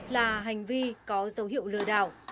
là hành vi có dấu hiệu lừa đảo